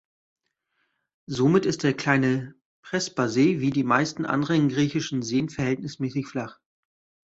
Somit ist der Kleine Prespasee wie die meisten anderen griechischen Seen verhältnismäßig flach.